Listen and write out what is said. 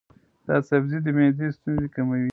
دا سبزی د معدې ستونزې کموي.